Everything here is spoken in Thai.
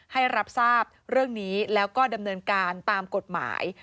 ให้รับทราบเรื่องนี้แล้วก็ดำเนินการตามกฎหมาย